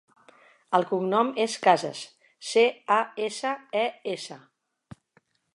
El cognom és Cases: ce, a, essa, e, essa.